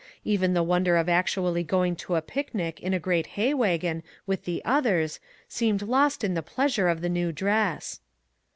Even the wonder of actually going to a picnic in a great hay wagon with the others seemed lost in the pleasure of the new dress.